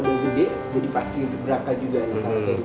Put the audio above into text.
udah gede jadi pasti beraka juga nih